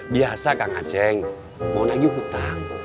biasa kang aceh mau naik hutang